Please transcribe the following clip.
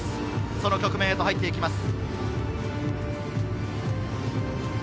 その局面へと入っていきます。